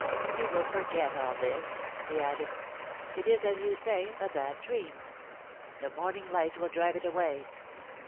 * You will forget all this,' he added * It is as you say, a bad dream. The morning light will drive it away.